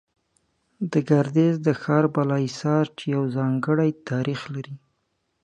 د ګردېز د ښار بالا حصار، چې يو ځانگړى تاريخ لري